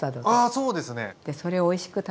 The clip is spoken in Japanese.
あそうですね。